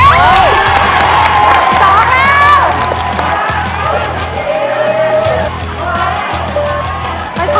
สองแล้ว